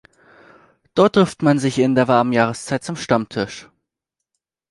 Dort trifft man sich in der warmen Jahreszeit zum Stammtisch.